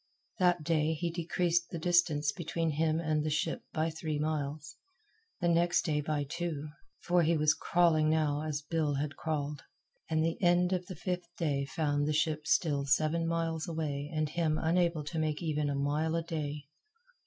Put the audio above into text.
That day he decreased the distance between him and the ship by three miles; the next day by two for he was crawling now as Bill had crawled; and the end of the fifth day found the ship still seven miles away and him unable to make even a mile a day.